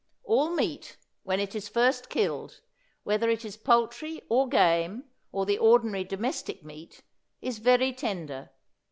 All meat, when it is first killed, whether it is poultry, or game, or the ordinary domestic meat, is very tender.